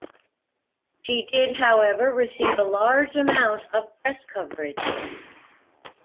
She did however receive a large amount of press coverage.